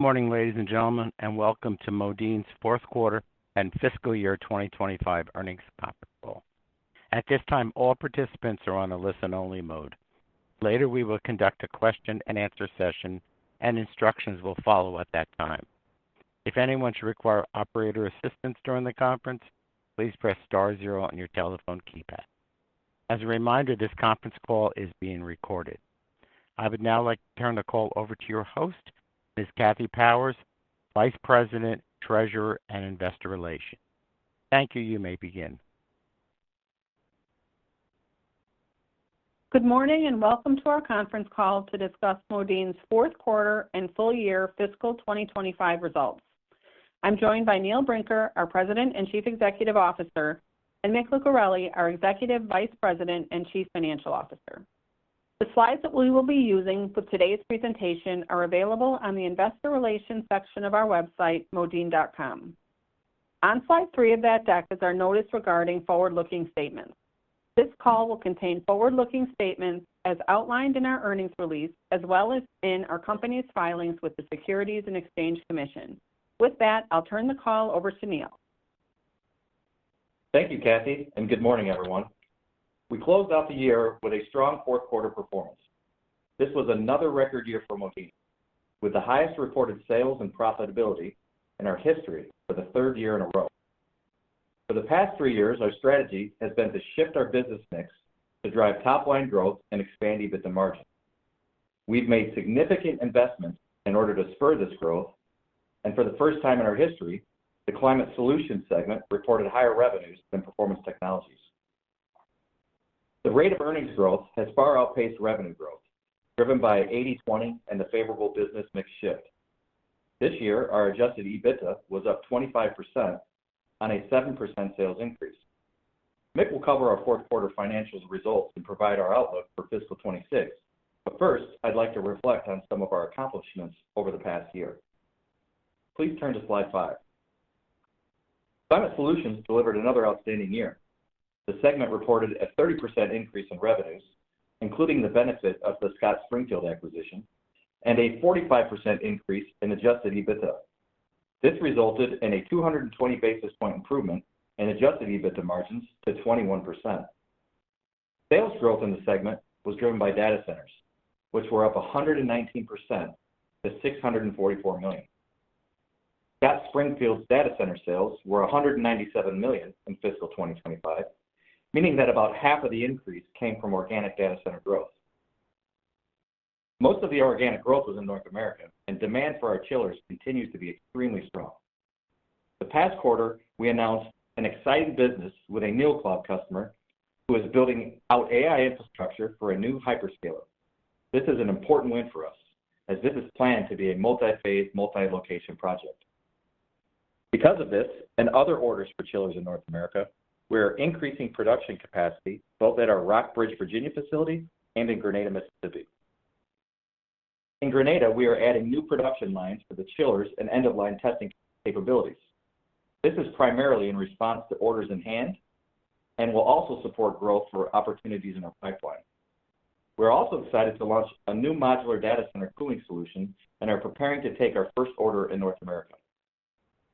Good morning, ladies and gentlemen, and welcome to Modine's Fourth Quarter and Fiscal Year 2025 Earnings Conference Call. At this time, all participants are on a listen-only mode. Later, we will conduct a question-and-answer session, and instructions will follow at that time. If anyone should require operator assistance during the conference, please press star zero on your telephone keypad. As a reminder, this conference call is being recorded. I would now like to turn the call over to your host, Ms. Kathy Powers, Vice President, Treasurer, and Investor Relations. Thank you. You may begin. Good morning and welcome to our conference call to discuss Modine's fourth quarter and full year fiscal 2025 results. I'm joined by Neil Brinker, our President and Chief Executive Officer, and Mick Lucareli, our Executive Vice President and Chief Financial Officer. The slides that we will be using for today's presentation are available on the Investor Relations section of our website, modine.com. On slide three of that deck is our Notice Regarding Forward-Looking Statements. This call will contain forward-looking statements as outlined in our earnings release, as well as in our company's filings with the Securities and Exchange Commission. With that, I'll turn the call over to Neil. Thank you, Kathy, and good morning, everyone. We closed out the year with a strong fourth quarter performance. This was another record year for Modine, with the highest reported sales and profitability in our history for the third year in a row. For the past three years, our strategy has been to shift our business mix to drive top-line growth and expand EBITDA margins. We've made significant investments in order to spur this growth, and for the first time in our history, the climate solutions segment reported higher revenues than performance technologies. The rate of earnings growth has far outpaced revenue growth, driven by 80/20 and the favorable business mix shift. This year, our adjusted EBITDA was up 25% on a 7% sales increase. Mick will cover our fourth-quarter financial results and provide our outlook for Fiscal 2026, but first, I'd like to reflect on some of our accomplishments over the past year. Please turn to slide five. Climate Solutions delivered another outstanding year. The segment reported a 30% increase in revenues, including the benefit of the Scott Springfield acquisition, and a 45% increase in adjusted EBITDA. This resulted in a 220 basis point improvement in adjusted EBITDA margins to 21%. Sales growth in the segment was driven by data centers, which were up 119% to $644 million. Scott Springfield's data center sales were $197 million in Fiscal 2025, meaning that about half of the increase came from organic data center growth. Most of the organic growth was in North America, and demand for our chillers continues to be extremely strong. The past quarter, we announced an exciting business with a new cloud customer who is building out AI infrastructure for a new hyperscaler. This is an important win for us, as this is planned to be a multi-phase, multi-location project. Because of this and other orders for chillers in North America, we are increasing production capacity, both at our Rockbridge, Virginia, facility and in Grenada, Mississippi. In Grenada, we are adding new production lines for the chillers and end-of-line testing capabilities. This is primarily in response to orders in hand and will also support growth for opportunities in our pipeline. We're also excited to launch a new modular data center cooling solution and are preparing to take our first order in North America.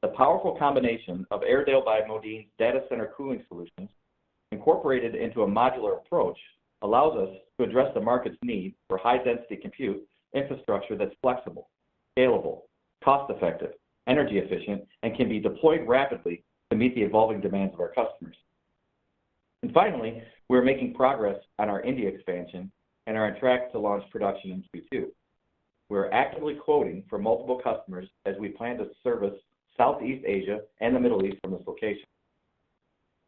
The powerful combination of Airedale by Modine's data center cooling solutions, incorporated into a modular approach, allows us to address the market's need for high-density compute infrastructure that's flexible, scalable, cost-effective, energy-efficient, and can be deployed rapidly to meet the evolving demands of our customers. Finally, we're making progress on our India expansion and are on track to launch production in Q2. We're actively quoting from multiple customers as we plan to service Southeast Asia and the Middle East from this location.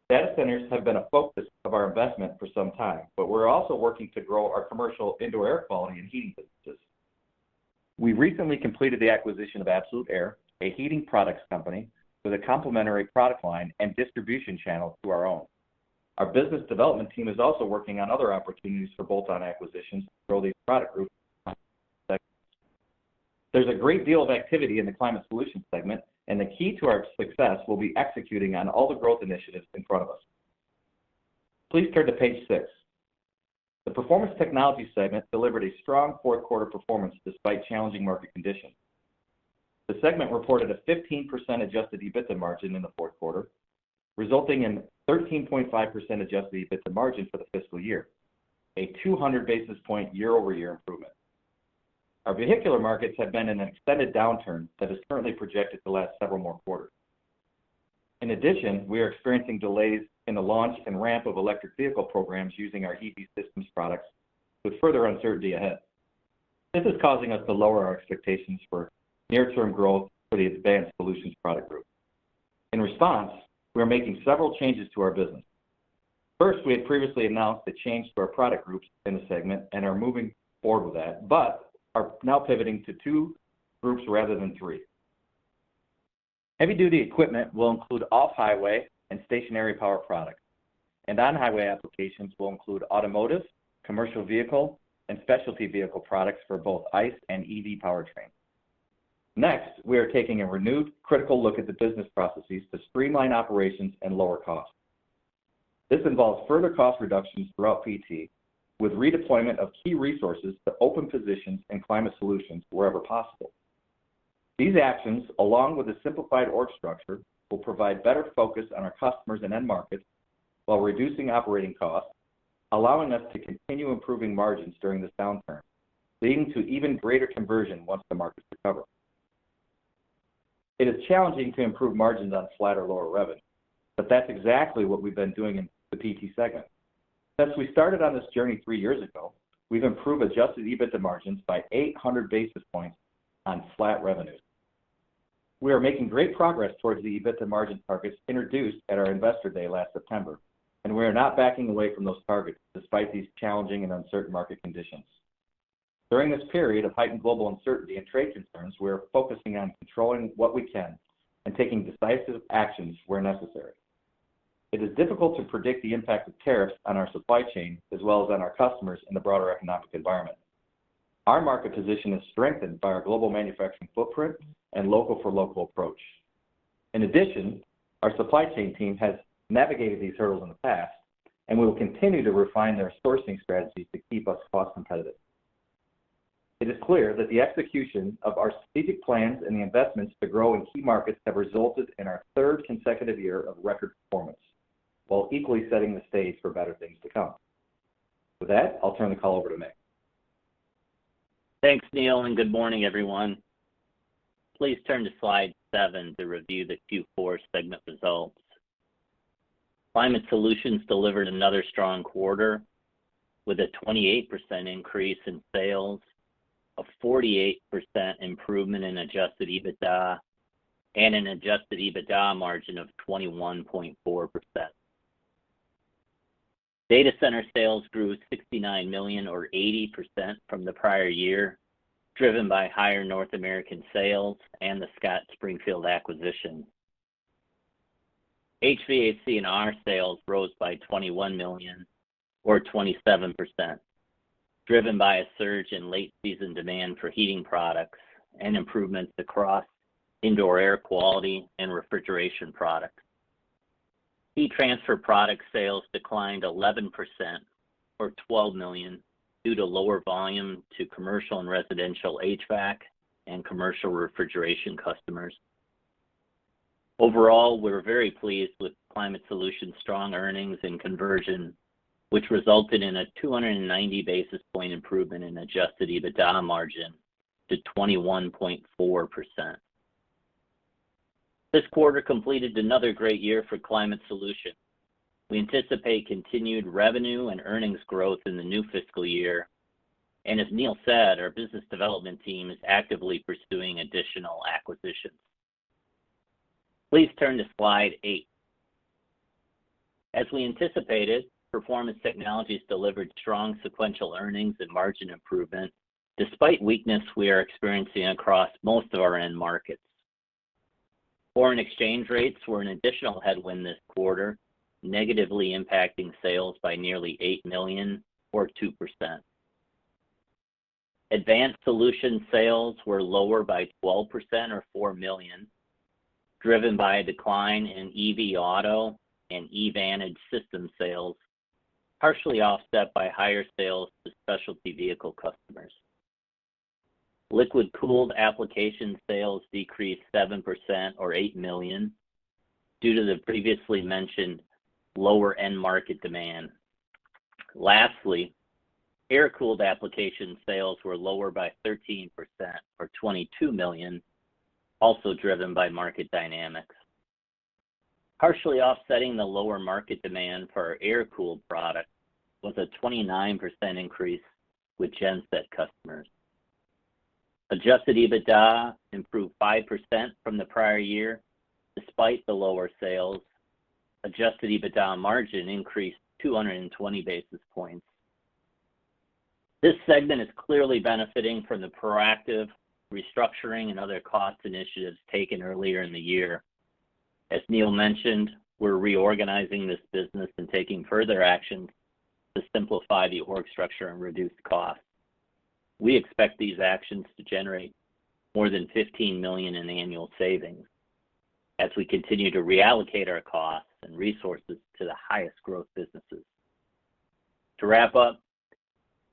Data centers have been a focus of our investment for some time, but we're also working to grow our commercial indoor air quality and heating businesses. We recently completed the acquisition of Absolute Air, a heating products company with a complementary product line and distribution channel to our own. Our business development team is also working on other opportunities for bolt-on acquisitions to grow the product group. There's a great deal of activity in the climate solutions segment, and the key to our success will be executing on all the growth initiatives in front of us. Please turn to page six. The performance technology segment delivered a strong fourth quarter performance despite challenging market conditions. The segment reported a 15% adjusted EBITDA margin in the fourth quarter, resulting in a 13.5% adjusted EBITDA margin for the fiscal year, a 200 basis point year-over-year improvement. Our vehicular markets have been in an extended downturn that is currently projected to last several more quarters. In addition, we are experiencing delays in the launch and ramp of electric vehicle programs using our EV systems products, with further uncertainty ahead. This is causing us to lower our expectations for near-term growth for the advanced solutions product group. In response, we are making several changes to our business. First, we had previously announced a change to our product groups in the segment and are moving forward with that, but are now pivoting to two groups rather than three. Heavy duty equipment will include off highway and stationary power products, and on highway applications will include automotive, commercial vehicle, and specialty vehicle products for both ICE and EV powertrains. Next, we are taking a renewed critical look at the business processes to streamline operations and lower costs. This involves further cost reductions throughout PT, with redeployment of key resources to open positions in climate solutions wherever possible. These actions, along with a simplified org structure, will provide better focus on our customers and end markets while reducing operating costs, allowing us to continue improving margins during this downturn, leading to even greater conversion once the markets recover. It is challenging to improve margins on flat or lower revenue, but that's exactly what we've been doing in the PT segment. Since we started on this journey three years ago, we've improved adjusted EBITDA margins by 800 basis points on flat revenues. We are making great progress towards the EBITDA margin targets introduced at our investor day last September, and we are not backing away from those targets despite these challenging and uncertain market conditions. During this period of heightened global uncertainty and trade concerns, we are focusing on controlling what we can and taking decisive actions where necessary. It is difficult to predict the impact of tariffs on our supply chain as well as on our customers in the broader economic environment. Our market position is strengthened by our global manufacturing footprint and local-for-local approach. In addition, our supply chain team has navigated these hurdles in the past, and we will continue to refine their sourcing strategies to keep us cost competitive. It is clear that the execution of our strategic plans and the investments to grow in key markets have resulted in our third consecutive year of record performance, while equally setting the stage for better things to come. With that, I'll turn the call over to Mick. Thanks, Neil, and good morning, everyone. Please turn to slide seven to review the Q4 segment results. Climate Solutions delivered another strong quarter with a 28% increase in sales, a 48% improvement in adjusted EBITDA, and an adjusted EBITDA margin of 21.4%. Data center sales grew $69 million, or 80%, from the prior year, driven by higher North American sales and the Scott Springfield acquisition. HVAC and our sales rose by $21 million, or 27%, driven by a surge in late-season demand for heating products and improvements across indoor air quality and refrigeration products. Heat transfer product sales declined 11%, or $12 million, due to lower volume to commercial and residential HVAC and commercial refrigeration customers. Overall, we're very pleased with Climate Solutions' strong earnings and conversion, which resulted in a 290 basis point improvement in adjusted EBITDA margin to 21.4%. This quarter completed another great year for Climate Solutions. We anticipate continued revenue and earnings growth in the new fiscal year, and as Neil said, our business development team is actively pursuing additional acquisitions. Please turn to slide eight. As we anticipated, Performance Technologies delivered strong sequential earnings and margin improvement despite weakness we are experiencing across most of our end markets. Foreign exchange rates were an additional headwind this quarter, negatively impacting sales by nearly $8 million, or 2%. Advanced solution sales were lower by 12%, or $4 million, driven by a decline in EV auto and EVantage system sales, partially offset by higher sales to specialty vehicle customers. Liquid-cooled application sales decreased 7%, or $8 million, due to the previously mentioned lower end market demand. Lastly, air-cooled application sales were lower by 13%, or $22 million, also driven by market dynamics. Partially offsetting the lower market demand for our air-cooled product was a 29% increase with genset customers. Adjusted EBITDA improved 5% from the prior year despite the lower sales. Adjusted EBITDA margin increased 220 basis points. This segment is clearly benefiting from the proactive restructuring and other cost initiatives taken earlier in the year. As Neil mentioned, we're reorganizing this business and taking further actions to simplify the org structure and reduce costs. We expect these actions to generate more than $15 million in annual savings as we continue to reallocate our costs and resources to the highest growth businesses. To wrap up,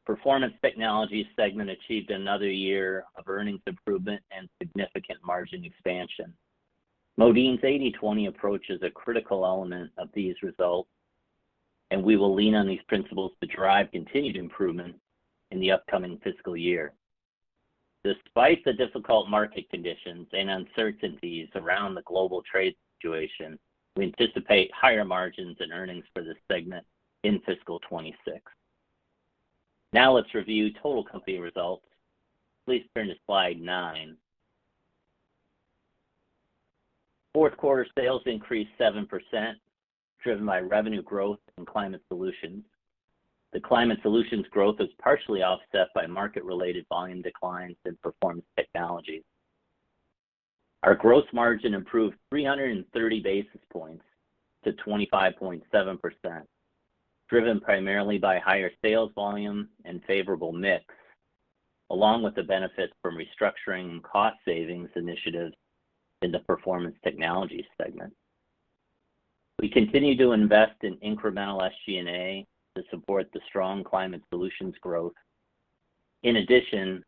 performance technology segment achieved another year of earnings improvement and significant margin expansion. Modine's 80/20 approach is a critical element of these results, and we will lean on these principles to drive continued improvement in the upcoming fiscal year. Despite the difficult market conditions and uncertainties around the global trade situation, we anticipate higher margins and earnings for this segment in fiscal 2026. Now let's review total company results. Please turn to slide nine. Fourth quarter sales increased 7%, driven by revenue growth in climate solutions. The climate solutions growth is partially offset by market-related volume declines in performance technologies. Our gross margin improved 330 basis points to 25.7%, driven primarily by higher sales volume and favorable mix, along with the benefits from restructuring and cost savings initiatives in the performance technologies segment. We continue to invest in incremental SG&A to support the strong climate solutions growth. In addition,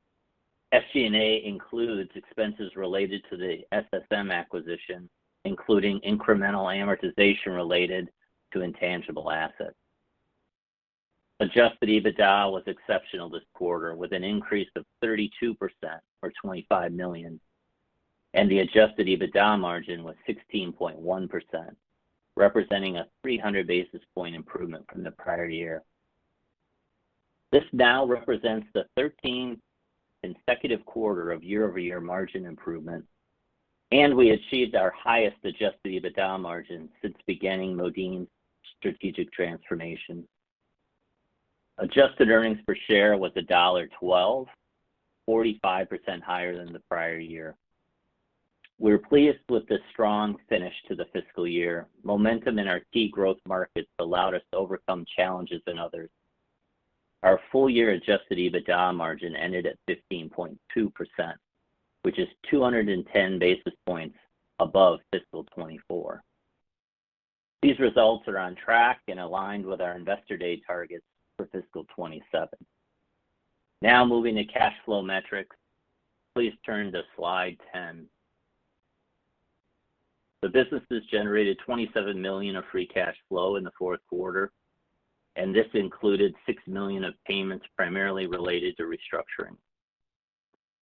SG&A includes expenses related to the SSM acquisition, including incremental amortization related to intangible assets. Adjusted EBITDA was exceptional this quarter, with an increase of 32%, or $25 million, and the adjusted EBITDA margin was 16.1%, representing a 300 basis point improvement from the prior year. This now represents the 13th consecutive quarter of year-over-year margin improvement, and we achieved our highest adjusted EBITDA margin since beginning Modine's strategic transformation. Adjusted earnings per share was $1.12, 45% higher than the prior year. We're pleased with the strong finish to the fiscal year. Momentum in our key growth markets allowed us to overcome challenges in others. Our full-year adjusted EBITDA margin ended at 15.2%, which is 210 basis points above fiscal 2024. These results are on track and aligned with our investor day targets for fiscal 2027. Now moving to cash flow metrics, please turn to slide 10. The businesses generated $27 million of free cash flow in the fourth quarter, and this included $6 million of payments primarily related to restructuring.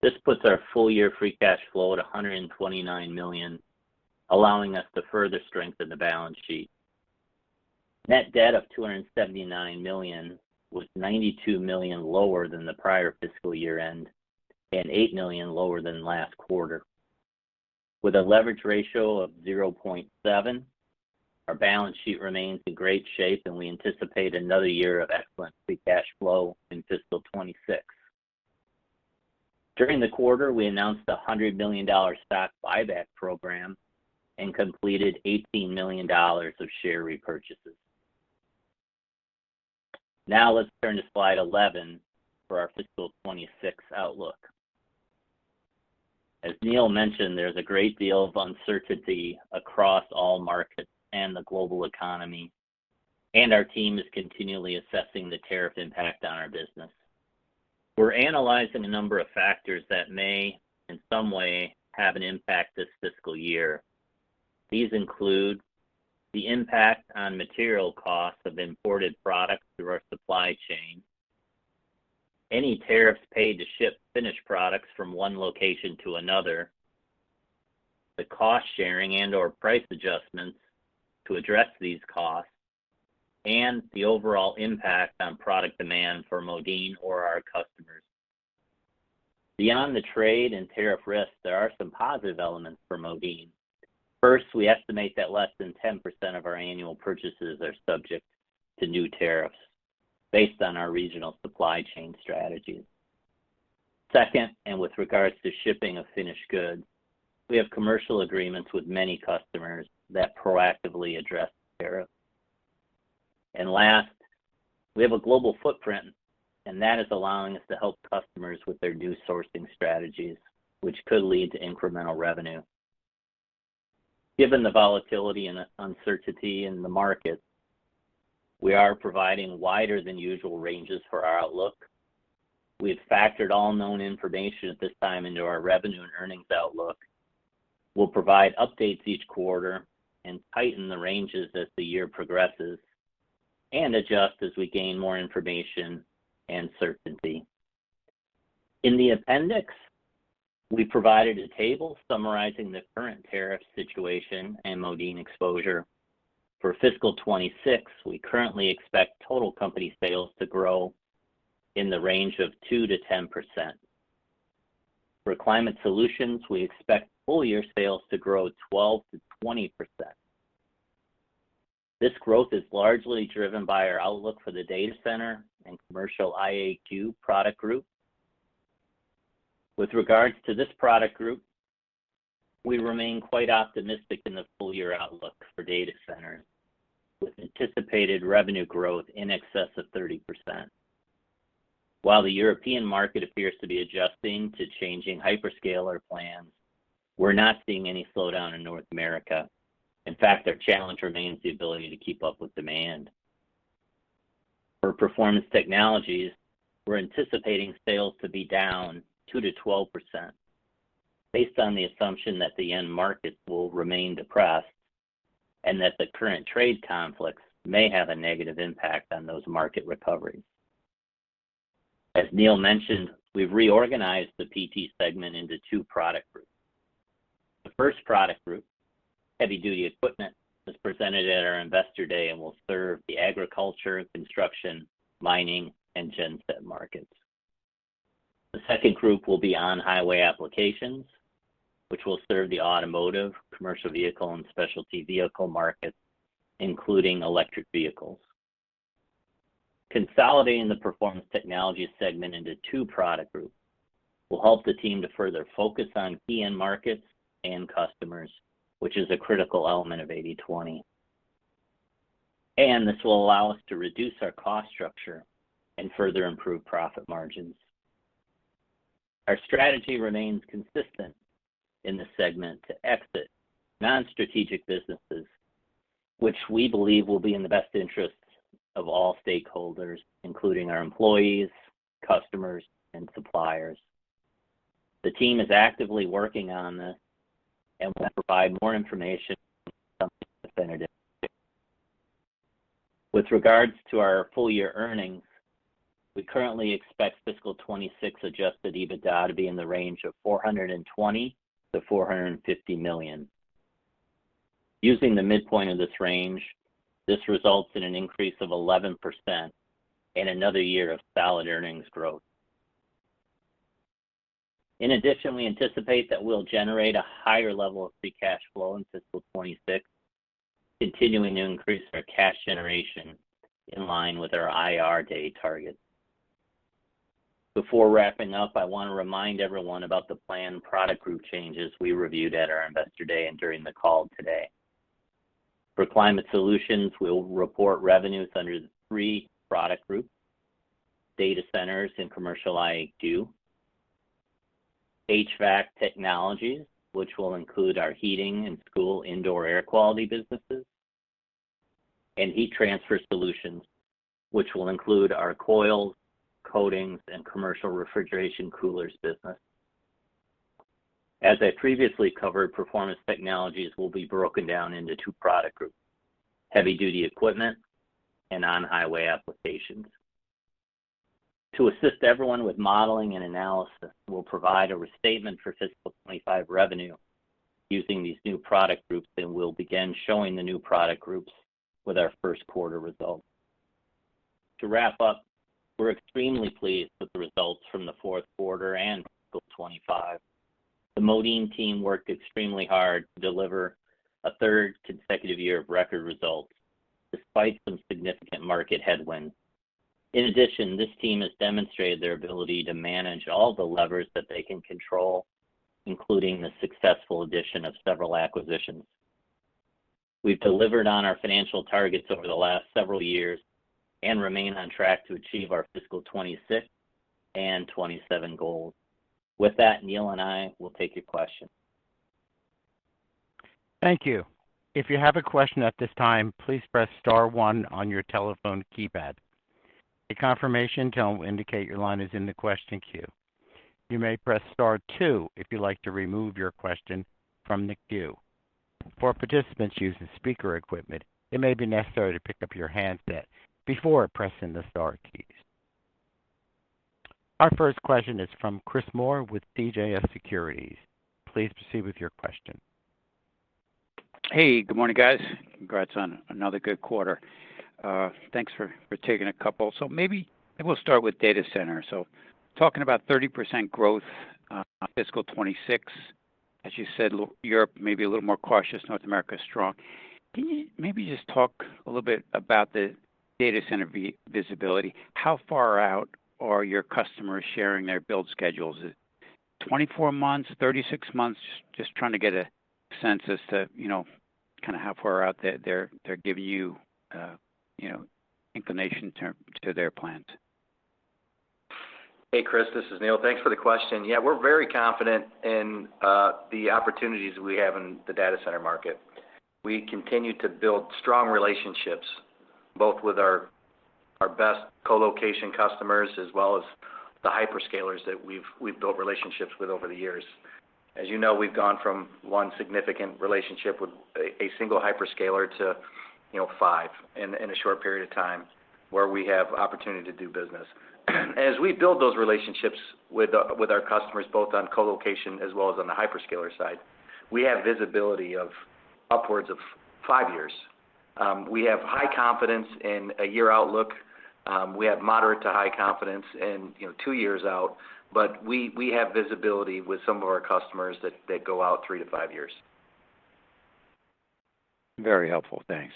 This puts our full-year free cash flow at $129 million, allowing us to further strengthen the balance sheet. Net debt of $279 million was $92 million lower than the prior fiscal year end and $8 million lower than last quarter. With a leverage ratio of 0.7, our balance sheet remains in great shape, and we anticipate another year of excellent free cash flow in fiscal 2026. During the quarter, we announced a $100 million stock buyback program and completed $18 million of share repurchases. Now let's turn to slide 11 for our fiscal 2026 outlook. As Neil mentioned, there's a great deal of uncertainty across all markets and the global economy, and our team is continually assessing the tariff impact on our business. We're analyzing a number of factors that may, in some way, have an impact this fiscal year. These include the impact on material costs of imported products through our supply chain, any tariffs paid to ship finished products from one location to another, the cost sharing and/or price adjustments to address these costs, and the overall impact on product demand for Modine or our customers. Beyond the trade and tariff risks, there are some positive elements for Modine. First, we estimate that less than 10% of our annual purchases are subject to new tariffs based on our regional supply chain strategies. Second, and with regards to shipping of finished goods, we have commercial agreements with many customers that proactively address tariffs. Last, we have a global footprint, and that is allowing us to help customers with their new sourcing strategies, which could lead to incremental revenue. Given the volatility and uncertainty in the markets, we are providing wider than usual ranges for our outlook. We've factored all known information at this time into our revenue and earnings outlook. We'll provide updates each quarter and tighten the ranges as the year progresses and adjust as we gain more information and certainty. In the appendix, we provided a table summarizing the current tariff situation and Modine exposure. For fiscal 2026, we currently expect total company sales to grow in the range of 2%-10%. For Climate Solutions, we expect full-year sales to grow 12%-20%. This growth is largely driven by our outlook for the data center and commercial IAQ product group. With regards to this product group, we remain quite optimistic in the full-year outlook for data centers, with anticipated revenue growth in excess of 30%. While the European market appears to be adjusting to changing hyperscaler plans, we're not seeing any slowdown in North America. In fact, our challenge remains the ability to keep up with demand. For performance technologies, we're anticipating sales to be down 2%-12%, based on the assumption that the end markets will remain depressed and that the current trade conflicts may have a negative impact on those market recoveries. As Neil mentioned, we've reorganized the PT segment into two product groups. The first product group, heavy-duty equipment, is presented at our investor day and will serve the agriculture, construction, mining, and genset markets. The second group will be on highway applications, which will serve the automotive, commercial vehicle, and specialty vehicle markets, including electric vehicles. Consolidating the Performance Technology segment into two product groups will help the team to further focus on key end markets and customers, which is a critical element of 80/20. This will allow us to reduce our cost structure and further improve profit margins. Our strategy remains consistent in this segment to exit non-strategic businesses, which we believe will be in the best interests of all stakeholders, including our employees, customers, and suppliers. The team is actively working on this and will provide more information and some definitive. With regards to our full-year earnings, we currently expect fiscal 2026 adjusted EBITDA to be in the range of $420 million-$450 million. Using the midpoint of this range, this results in an increase of 11% and another year of solid earnings growth. In addition, we anticipate that we'll generate a higher level of free cash flow in fiscal 2026, continuing to increase our cash generation in line with our IR day targets. Before wrapping up, I want to remind everyone about the planned product group changes we reviewed at our investor day and during the call today. For Climate Solutions, we'll report revenues under three product groups: data centers and commercial IAQ, HVAC technologies, which will include our heating and school indoor air quality businesses, and heat transfer solutions, which will include our coils, coatings, and commercial refrigeration coolers business. As I previously covered, Performance Technologies will be broken down into two product groups: heavy-duty equipment and on-highway applications. To assist everyone with modeling and analysis, we'll provide a statement for fiscal 2025 revenue using these new product groups, and we'll begin showing the new product groups with our first quarter results. To wrap up, we're extremely pleased with the results from the fourth quarter and fiscal 2025. The Modine team worked extremely hard to deliver a third consecutive year of record results, despite some significant market headwinds. In addition, this team has demonstrated their ability to manage all the levers that they can control, including the successful addition of several acquisitions. We've delivered on our financial targets over the last several years and remain on track to achieve our fiscal 2026 and 2027 goals. With that, Neil and I will take your questions. Thank you. If you have a question at this time, please press star one on your telephone keypad. A confirmation tone will indicate your line is in the question queue. You may press star two if you'd like to remove your question from the queue. For participants using speaker equipment, it may be necessary to pick up your handset before pressing the star keys. Our first question is from Chris Moore with CJS Securities. Please proceed with your question. Hey, good morning, guys. Congrats on another good quarter. Thanks for taking a couple. Maybe we'll start with data centers. Talking about 30% growth fiscal 2026, as you said, Europe may be a little more cautious, North America is strong. Can you maybe just talk a little bit about the data center visibility? How far out are your customers sharing their build schedules? 24 months, 36 months? Just trying to get a sense as to kind of how far out they're giving you inclination to their plans. Hey, Chris, this is Neil. Thanks for the question. Yeah, we're very confident in the opportunities we have in the data center market. We continue to build strong relationships, both with our best colocation customers as well as the hyperscalers that we've built relationships with over the years. As you know, we've gone from one significant relationship with a single hyperscaler to five in a short period of time where we have opportunity to do business. As we build those relationships with our customers, both on colocation as well as on the hyperscaler side, we have visibility of upwards of five years. We have high confidence in a year outlook. We have moderate to high confidence in two years out, but we have visibility with some of our customers that go out three to five years. Very helpful. Thanks.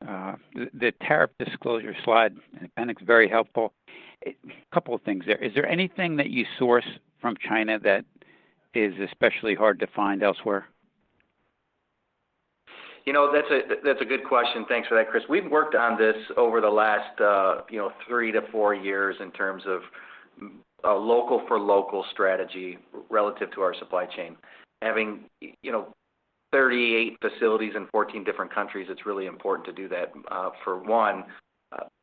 The tariff disclosure slide and appendix, very helpful. A couple of things there. Is there anything that you source from China that is especially hard to find elsewhere? That's a good question. Thanks for that, Chris. We've worked on this over the last three to four years in terms of a local-for-local strategy relative to our supply chain. Having 38 facilities in 14 different countries, it's really important to do that. For one,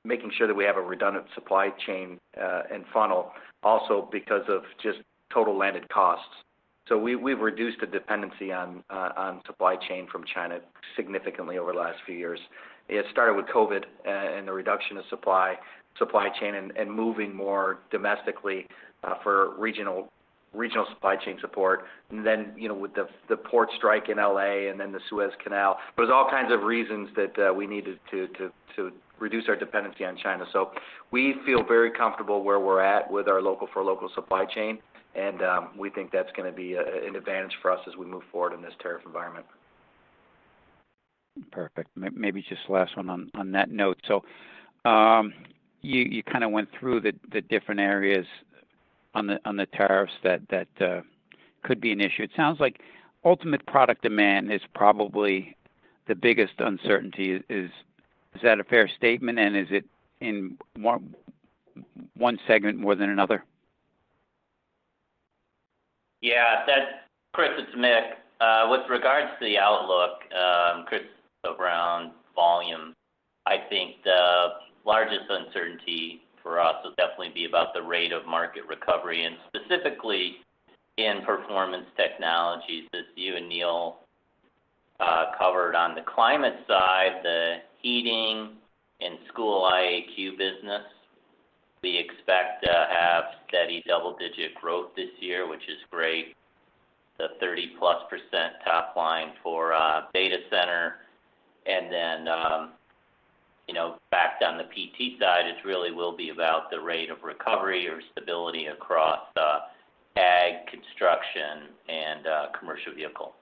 making sure that we have a redundant supply chain and funnel, also because of just total landed costs. We've reduced the dependency on supply chain from China significantly over the last few years. It started with COVID and the reduction of supply chain and moving more domestically for regional supply chain support. With the port strike in Los Angeles and then the Suez Canal, there were all kinds of reasons that we needed to reduce our dependency on China. We feel very comfortable where we're at with our local-for-local supply chain, and we think that's going to be an advantage for us as we move forward in this tariff environment. Perfect. Maybe just the last one on that note. You kind of went through the different areas on the tariffs that could be an issue. It sounds like ultimate product demand is probably the biggest uncertainty. Is that a fair statement, and is it in one segment more than another? Yeah. Chris, it's Mick. With regards to the outlook, Chris, around volume, I think the largest uncertainty for us will definitely be about the rate of market recovery, and specifically in performance technologies. As you and Neil covered on the climate side, the heating and school IAQ business, we expect to have steady double-digit growth this year, which is great. The 30 plus percent top line for data center. And then back on the PT side, it really will be about the rate of recovery or stability across ag, construction, and commercial vehicle.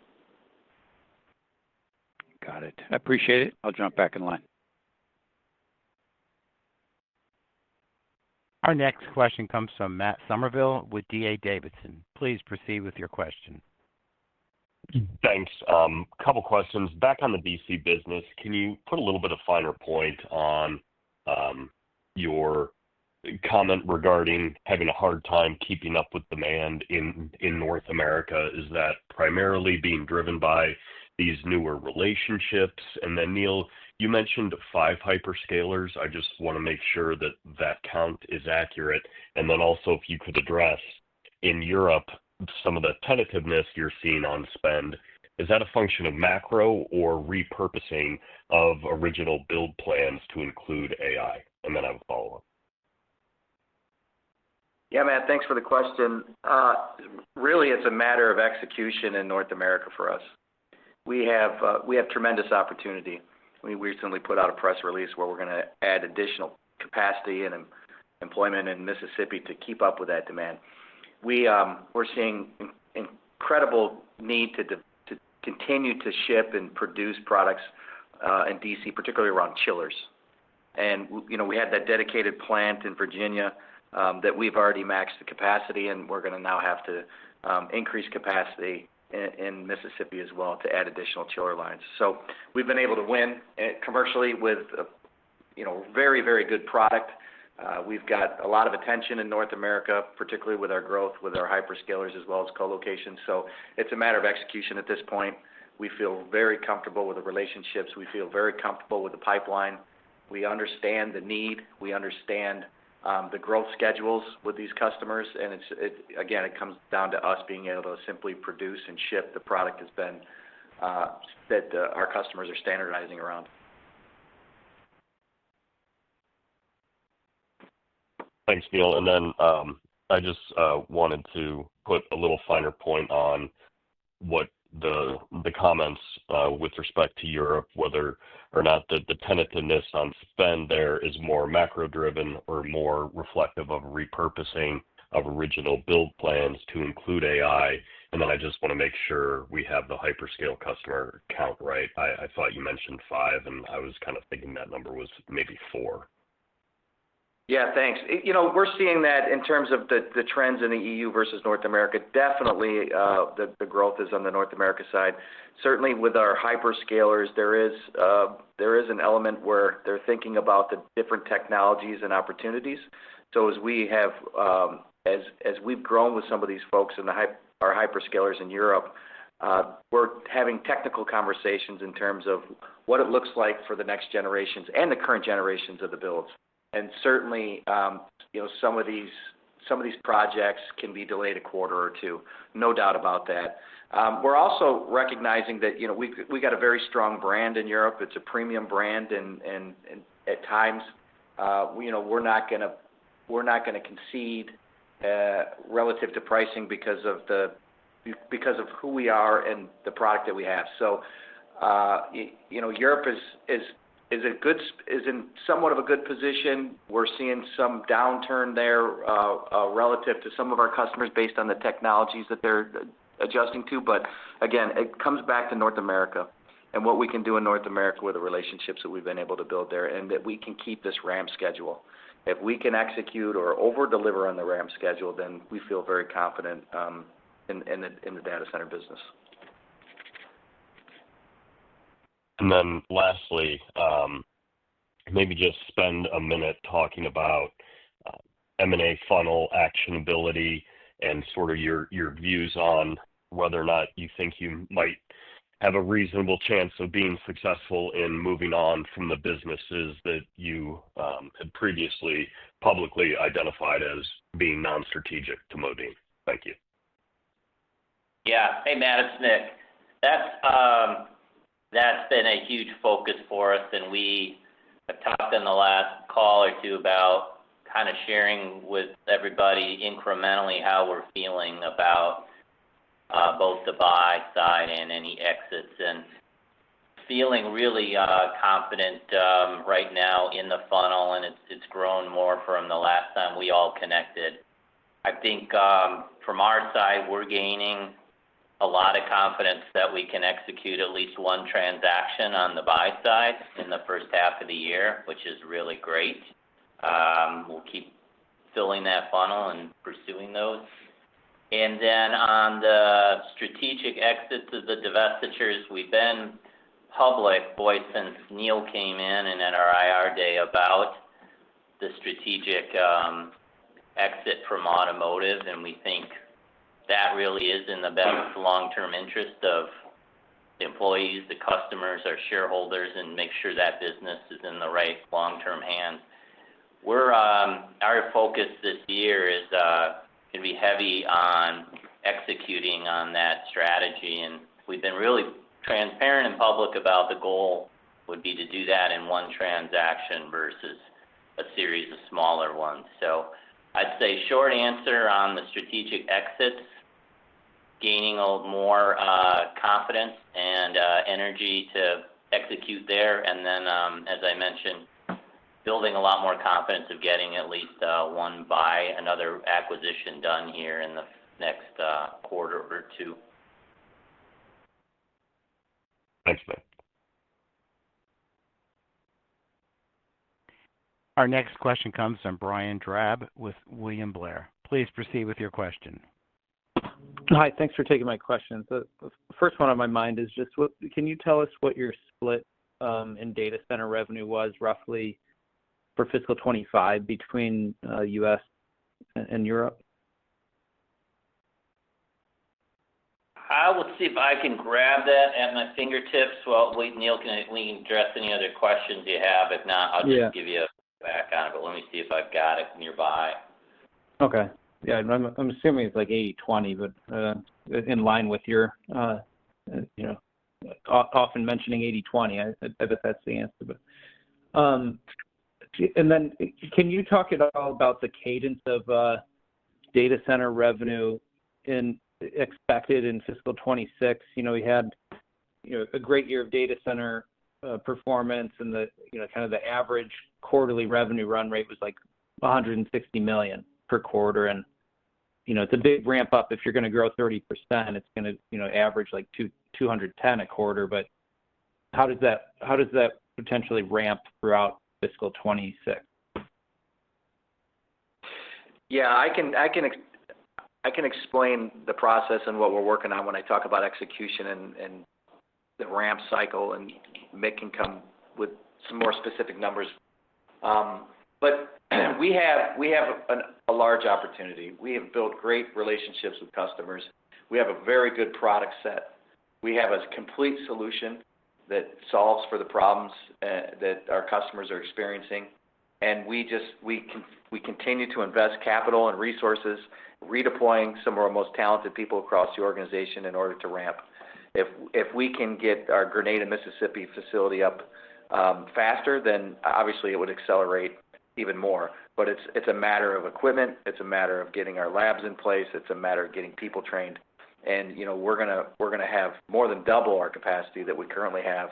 Got it. I appreciate it. I'll jump back in line. Our next question comes from Summerville with D.A. Davidson. Please proceed with your question. Thanks. A couple of questions. Back on the DC business, can you put a little bit of finer point on your comment regarding having a hard time keeping up with demand in North America? Is that primarily being driven by these newer relationships? Neil, you mentioned five hyperscalers. I just want to make sure that that count is accurate. Also, if you could address, in Europe, some of the tentativeness you're seeing on spend, is that a function of macro or repurposing of original build plans to include AI? I have a follow-up. Yeah, Matt, thanks for the question. Really, it's a matter of execution in North America for us. We have tremendous opportunity. We recently put out a press release where we're going to add additional capacity and employment in Mississippi to keep up with that demand. We're seeing incredible need to continue to ship and produce products in DC, particularly around chillers. We had that dedicated plant in Virginia that we've already maxed the capacity, and we're going to now have to increase capacity in Mississippi as well to add additional chiller lines. We've been able to win commercially with very, very good product. We've got a lot of attention in North America, particularly with our growth, with our hyperscalers as well as colocation. It's a matter of execution at this point. We feel very comfortable with the relationships. We feel very comfortable with the pipeline. We understand the need. We understand the growth schedules with these customers. Again, it comes down to us being able to simply produce and ship the product that our customers are standardizing around. Thanks, Neil. I just wanted to put a little finer point on what the comments with respect to Europe, whether or not the tentativeness on spend there is more macro-driven or more reflective of repurposing of original build plans to include AI. I just want to make sure we have the hyperscale customer count right. I thought you mentioned five, and I was kind of thinking that number was maybe four. Yeah, thanks. We're seeing that in terms of the trends in the EU versus North America. Definitely, the growth is on the North America side. Certainly, with our hyperscalers, there is an element where they're thinking about the different technologies and opportunities. As we've grown with some of these folks and our hyperscalers in Europe, we're having technical conversations in terms of what it looks like for the next generations and the current generations of the builds. Certainly, some of these projects can be delayed a quarter or two. No doubt about that. We're also recognizing that we've got a very strong brand in Europe. It's a premium brand. At times, we're not going to concede relative to pricing because of who we are and the product that we have. Europe is in somewhat of a good position. We're seeing some downturn there relative to some of our customers based on the technologies that they're adjusting to. Again, it comes back to North America and what we can do in North America with the relationships that we've been able to build there and that we can keep this RAM schedule. If we can execute or overdeliver on the RAM schedule, then we feel very confident in the data center business. Lastly, maybe just spend a minute talking about M&A funnel actionability and sort of your views on whether or not you think you might have a reasonable chance of being successful in moving on from the businesses that you had previously publicly identified as being non-strategic to Modine. Thank you. Yeah. Hey, Matt, it's Mick. That's been a huge focus for us. We have talked in the last call or two about kind of sharing with everybody incrementally how we're feeling about both the buy side and any exits. Feeling really confident right now in the funnel, and it's grown more from the last time we all connected. I think from our side, we're gaining a lot of confidence that we can execute at least one transaction on the buy side in the first half of the year, which is really great. We'll keep filling that funnel and pursuing those. On the strategic exits of the divestitures, we've been public, boy, since Neil came in and in our IR day about the strategic exit from automotive. We think that really is in the best long-term interest of the employees, the customers, our shareholders, and make sure that business is in the right long-term hands. Our focus this year is going to be heavy on executing on that strategy. We have been really transparent and public about the goal would be to do that in one transaction versus a series of smaller ones. I'd say short answer on the strategic exits, gaining more confidence and energy to execute there. As I mentioned, building a lot more confidence of getting at least one buy, another acquisition done here in the next quarter or two. Thanks, Mick. Our next question comes from Brian Drab with William Blair. Please proceed with your question. Hi. Thanks for taking my question. The first one on my mind is just, can you tell us what your split in data center revenue was roughly for fiscal 2025 between U.S. and Europe? I will see if I can grab that at my fingertips. Neil, can we address any other questions you have? If not, I'll just give you a background, but let me see if I've got it nearby. Okay. Yeah. I'm assuming it's like 80/20, but in line with your often mentioning 80/20. I bet that's the answer. Can you talk at all about the cadence of data center revenue expected in fiscal 2026? We had a great year of data center performance, and kind of the average quarterly revenue run rate was like $160 million per quarter. It's a big ramp-up. If you're going to grow 30%, it's going to average like $210 million a quarter. How does that potentially ramp throughout fiscal 2026? Yeah. I can explain the process and what we're working on when I talk about execution and the ramp cycle, and Mick can come with some more specific numbers. We have a large opportunity. We have built great relationships with customers. We have a very good product set. We have a complete solution that solves for the problems that our customers are experiencing. We continue to invest capital and resources, redeploying some of our most talented people across the organization in order to ramp. If we can get our Grenada, Mississippi facility up faster, it would obviously accelerate even more. It is a matter of equipment. It is a matter of getting our labs in place. It is a matter of getting people trained. We are going to have more than double our capacity that we currently have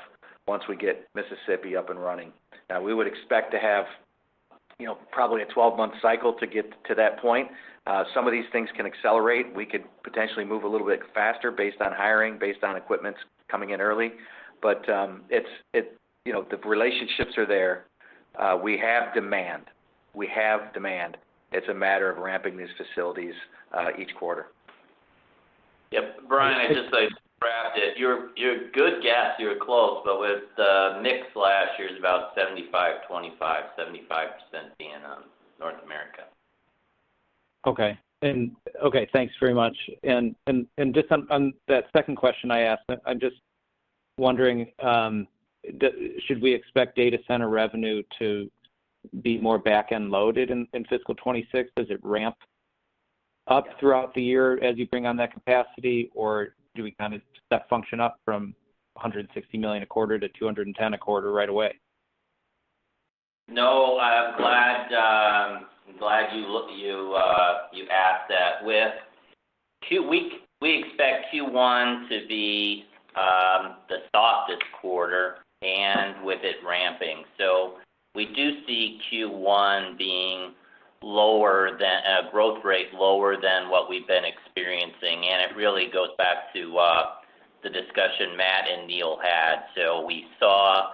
once we get Mississippi up and running. Now, we would expect to have probably a 12 month cycle to get to that point. Some of these things can accelerate. We could potentially move a little bit faster based on hiring, based on equipment coming in early. The relationships are there. We have demand. It's a matter of ramping these facilities each quarter. Yep. Brian, I just wrapped it. You're a good guess. You're close. But with mix last year, it's about 75/25, 75% being North America. Okay. Okay, thanks very much. Just on that second question I asked, I'm just wondering, should we expect data center revenue to be more back-end loaded in fiscal 2026? Does it ramp up throughout the year as you bring on that capacity, or do we kind of step function up from $160 million a quarter to $210 million a quarter right away? No. I'm glad you asked that. We expect Q1 to be the softest quarter, with it ramping. We do see Q1 being lower, a growth rate lower than what we've been experiencing. It really goes back to the discussion Matt and Neil had. We saw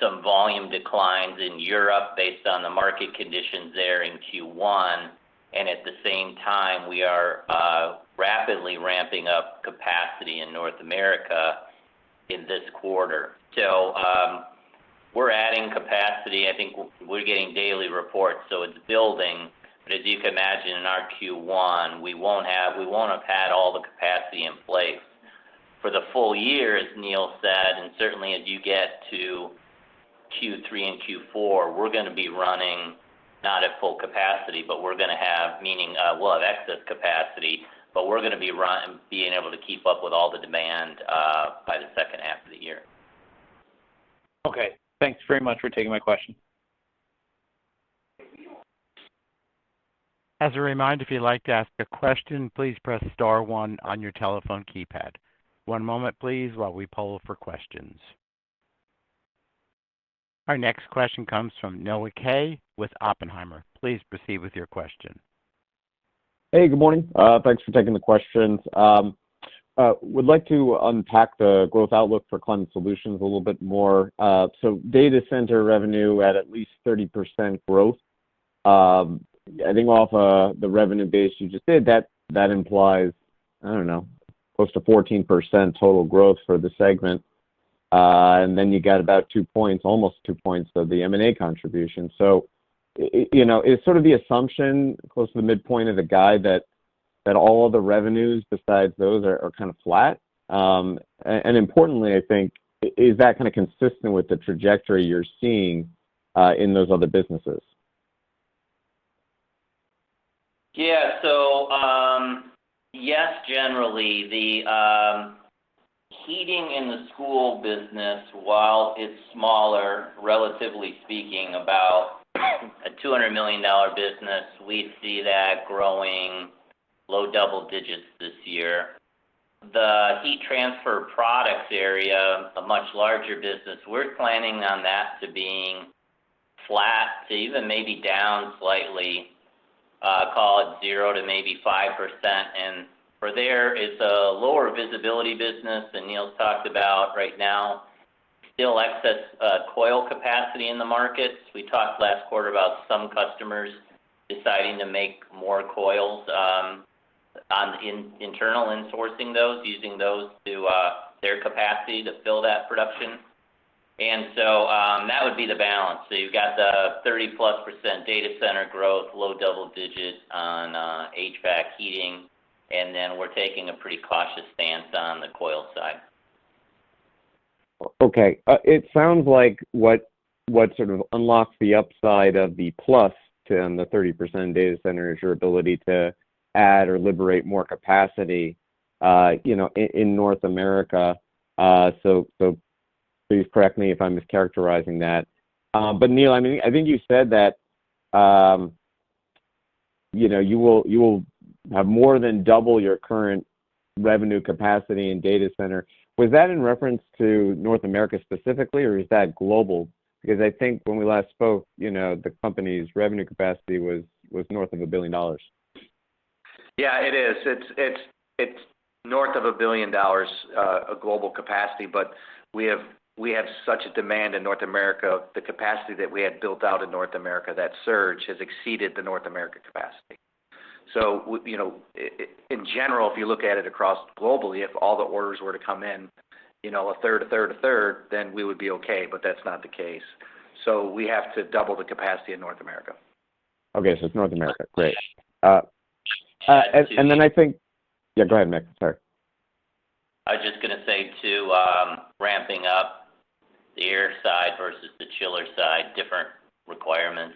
some volume declines in Europe based on the market conditions there in Q1. At the same time, we are rapidly ramping up capacity in North America in this quarter. We're adding capacity. I think we're getting daily reports. It's building. As you can imagine, in our Q1, we won't have had all the capacity in place for the full year, as Neil said. Certainly, as you get to Q3 and Q4, we're going to be running not at full capacity, but we're going to have, meaning we'll have excess capacity, but we're going to be being able to keep up with all the demand by the second half of the year. Okay. Thanks very much for taking my question. As a reminder, if you'd like to ask a question, please press star one on your telephone keypad. One moment, please, while we poll for questions. Our next question comes from Noah Kaye with Oppenheimer. Please proceed with your question. Hey, good morning. Thanks for taking the questions. Would like to unpack the growth outlook for Climate Solutions a little bit more. So data center revenue at at least 30% growth. I think off the revenue base you just did, that implies, I do not know, close to 14% total growth for the segment. And then you got about two points, almost two points of the M&A contribution. It is sort of the assumption close to the midpoint of the guide that all of the revenues besides those are kind of flat. Importantly, I think, is that kind of consistent with the trajectory you are seeing in those other businesses? Yeah. So yes, generally. The heating in the school business, while it's smaller, relatively speaking, about a $200 million business, we see that growing low double digits this year. The heat transfer products area, a much larger business, we're planning on that to being flat, to even maybe down slightly, call it zero and maybe five percent. And for there, it's a lower visibility business than Neil's talked about. Right now, still excess coil capacity in the markets. We talked last quarter about some customers deciding to make more coils on internal insourcing those, using those to their capacity to fill that production. That would be the balance. You've got the 30 plus percent data center growth, low double digit on HVAC heating, and then we're taking a pretty cautious stance on the coil side. Okay. It sounds like what sort of unlocks the upside of the plus to the 30% data center is your ability to add or liberate more capacity in North America. Please correct me if I'm mischaracterizing that. Neil, I mean, I think you said that you will have more than double your current revenue capacity in data center. Was that in reference to North America specifically, or is that global? I think when we last spoke, the company's revenue capacity was north of a billion dollars. Yeah, it is. It's north of a billion dollars of global capacity. But we have such a demand in North America, the capacity that we had built out in North America, that surge has exceeded the North America capacity. In general, if you look at it across globally, if all the orders were to come in a third, a third, a third, then we would be okay. But that's not the case. We have to double the capacity in North America. Okay. So it's North America. Great. And then I think yeah, go ahead, Mick. Sorry. I was just going to say too, ramping up the air side versus the chiller side, different requirements.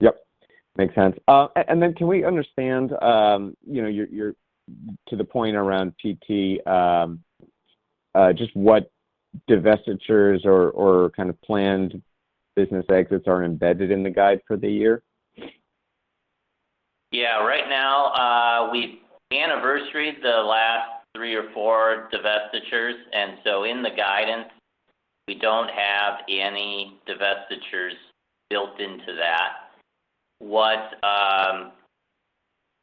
Yep. Makes sense. Can we understand to the point around PT, just what divestitures or kind of planned business exits are embedded in the guide for the year? Yeah. Right now, we anniversary the last three or four divestitures. In the guidance, we do not have any divestitures built into that.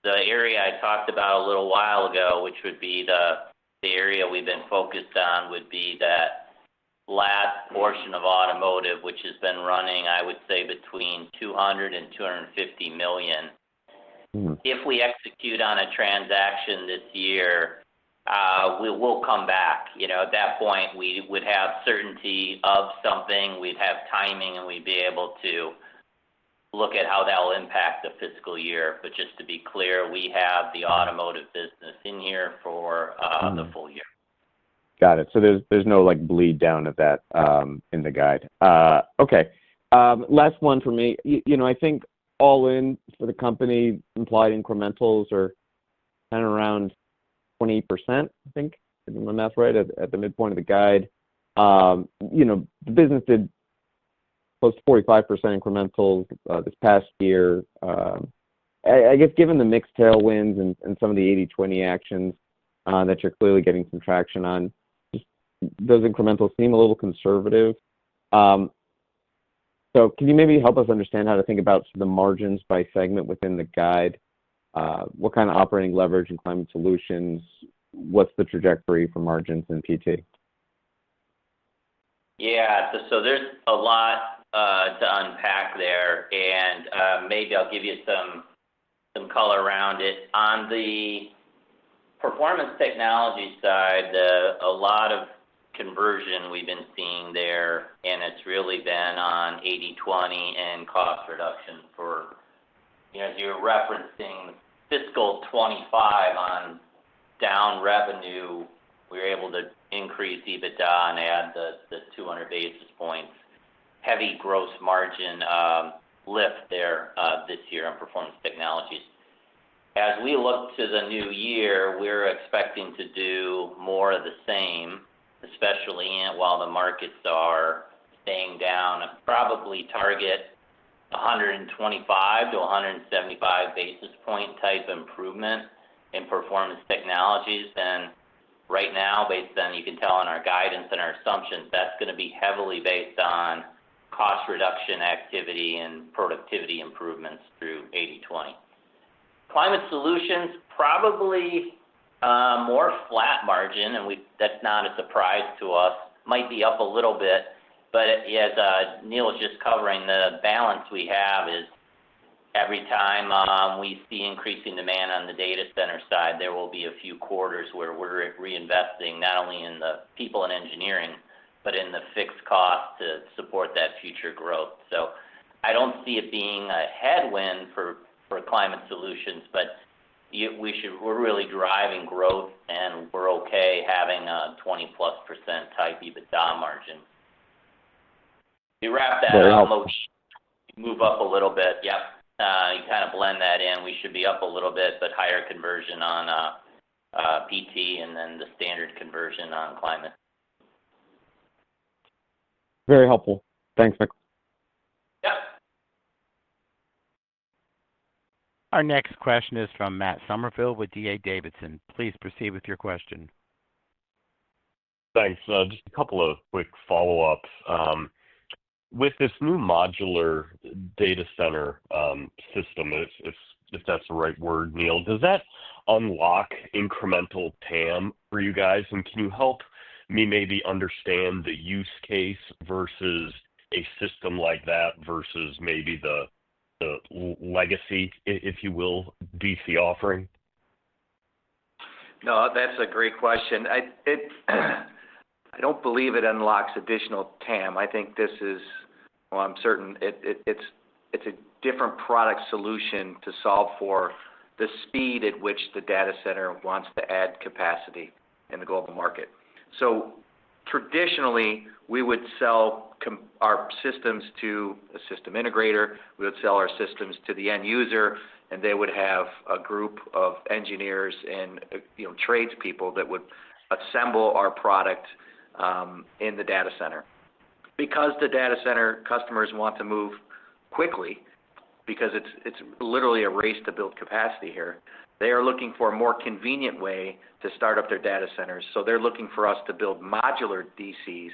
The area I talked about a little while ago, which would be the area we have been focused on, would be that last portion of automotive, which has been running, I would say, between $200 million and $250 million. If we execute on a transaction this year, we will come back. At that point, we would have certainty of something. We would have timing, and we would be able to look at how that will impact the fiscal year. Just to be clear, we have the automotive business in here for the full year. Got it. So there's no bleed down of that in the guide. Okay. Last one for me. I think all in for the company implied incrementals are kind of around 20%, I think. Did my math right? At the midpoint of the guide, the business did close to 45% incrementals this past year. I guess given the mixed tailwinds and some of the 80/20 actions that you're clearly getting some traction on, those incrementals seem a little conservative. Can you maybe help us understand how to think about the margins by segment within the guide? What kind of operating leverage in Climate Solutions? What's the trajectory for margins in PT? Yeah. There is a lot to unpack there. Maybe I'll give you some color around it. On the performance technology side, a lot of conversion we've been seeing there, and it's really been on 80/20 and cost reduction for, as you were referencing, fiscal 2025 on down revenue. We were able to increase EBITDA and add the 200 basis points, heavy gross margin lift there this year on performance technologies. As we look to the new year, we're expecting to do more of the same, especially while the markets are staying down and probably target 125-175 basis point type improvement in performance technologies. Right now, based on, you can tell in our guidance and our assumptions, that's going to be heavily based on cost reduction activity and productivity improvements through 80/20. Klemm Solutions, probably more flat margin, and that's not a surprise to us. Might be up a little bit. As Neil was just covering, the balance we have is every time we see increasing demand on the data center side, there will be a few quarters where we're reinvesting not only in the people and engineering, but in the fixed cost to support that future growth. I don't see it being a headwind for Climate Solutions, but we're really driving growth, and we're okay having a 20 plus percent type EBITDA margin. You wrap that outlook, you move up a little bit. Yep. You kind of blend that in. We should be up a little bit, but higher conversion on PT and then the standard conversion on Climate. Very helpful. Thanks, Mick. Yep. Our next question is from Matt Summerville with D.A. Davidson. Please proceed with your question. Thanks. Just a couple of quick follow-ups. With this new modular data center system, if that's the right word, Neil, does that unlock incremental TAM for you guys? Can you help me maybe understand the use case versus a system like that versus maybe the legacy, if you will, DC offering? No, that's a great question. I don't believe it unlocks additional TAM. I think this is, well, I'm certain it's a different product solution to solve for the speed at which the data center wants to add capacity in the global market. Traditionally, we would sell our systems to a system integrator. We would sell our systems to the end user, and they would have a group of engineers and tradespeople that would assemble our product in the data center. Because the data center customers want to move quickly, because it's literally a race to build capacity here, they are looking for a more convenient way to start up their data centers. They are looking for us to build modular DCs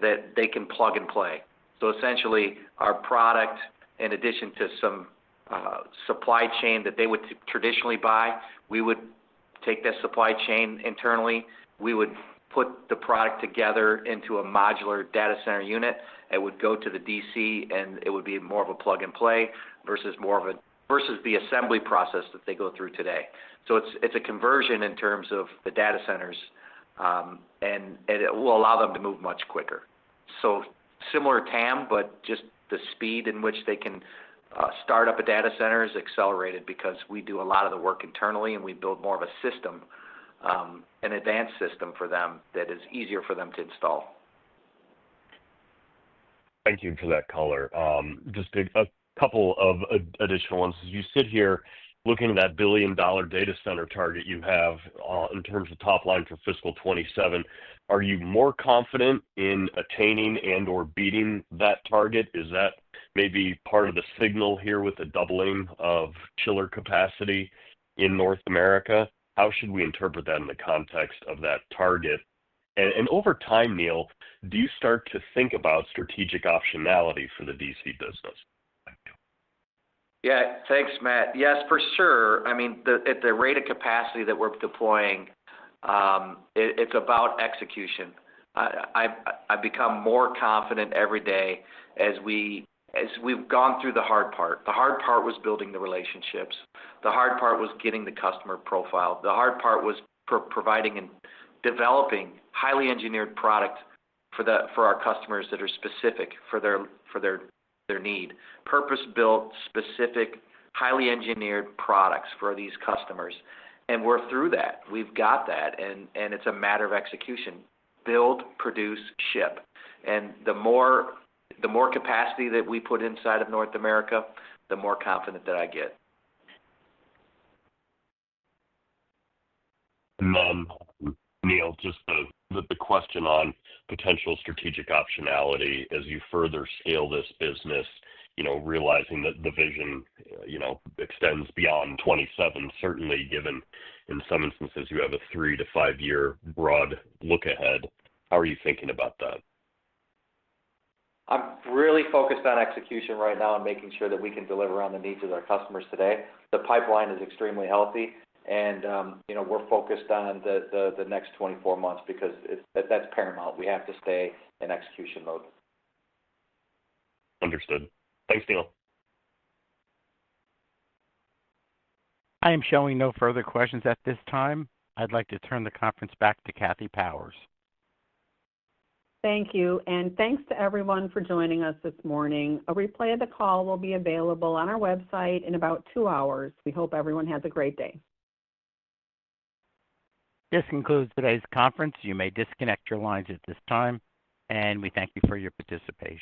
that they can plug and play. Essentially, our product, in addition to some supply chain that they would traditionally buy, we would take that supply chain internally. We would put the product together into a modular data center unit. It would go to the DC, and it would be more of a plug and play versus the assembly process that they go through today. It is a conversion in terms of the data centers, and it will allow them to move much quicker. Similar TAM, but just the speed in which they can start up a data center is accelerated because we do a lot of the work internally, and we build more of a system, an advanced system for them that is easier for them to install. Thank you for that color. Just a couple of additional ones. As you sit here looking at that billion-dollar data center target you have in terms of top line for fiscal 2027, are you more confident in attaining and/or beating that target? Is that maybe part of the signal here with the doubling of chiller capacity in North America? How should we interpret that in the context of that target? Over time, Neil, do you start to think about strategic optionality for the DC business? Yeah. Thanks, Matt. Yes, for sure. I mean, at the rate of capacity that we're deploying, it's about execution. I've become more confident every day as we've gone through the hard part. The hard part was building the relationships. The hard part was getting the customer profile. The hard part was providing and developing highly engineered products for our customers that are specific for their need. Purpose-built, specific, highly engineered products for these customers. We're through that. We've got that. It's a matter of execution. Build, produce, ship. The more capacity that we put inside of North America, the more confident that I get. Neil, just the question on potential strategic optionality as you further scale this business, realizing that the vision extends beyond 2027, certainly given in some instances you have a three to five year broad look ahead. How are you thinking about that? I'm really focused on execution right now and making sure that we can deliver on the needs of our customers today. The pipeline is extremely healthy, and we're focused on the next 24 months because that's paramount. We have to stay in execution mode. Understood. Thanks, Neil. I am showing no further questions at this time. I'd like to turn the conference back to Kathy Powers. Thank you. Thanks to everyone for joining us this morning. A replay of the call will be available on our website in about two hours. We hope everyone has a great day. This concludes today's conference. You may disconnect your lines at this time. We thank you for your participation.